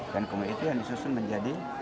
dan kemudian itu yang disusun menjadi